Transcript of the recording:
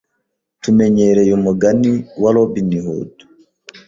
Tumenyereye umugani wa Robin Hood.